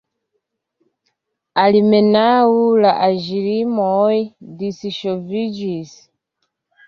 Almenaŭ la aĝlimoj disŝoviĝis.